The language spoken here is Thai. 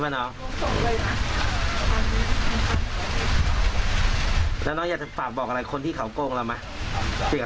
อยากทำอะไรของใครอีกหนุก็อยากได้เงินหนูคือนุ